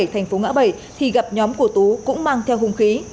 thành phố ngã bảy thì gặp nhóm của tú cũng mang theo hùng khí